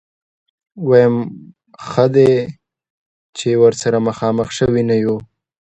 ويم ښه دی چې ورسره مخامخ شوي نه يو.